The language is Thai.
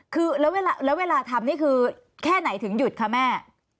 คือแล้วเวลาทำนี่คือแค่ไหนถึงหยุดคะแม่